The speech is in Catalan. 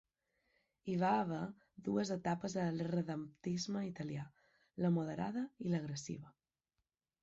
Hi va haver dues etapes a l'irredemptisme italià: la moderada i l'agressiva.